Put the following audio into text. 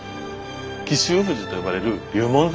紀州富士と呼ばれる龍門山なんです。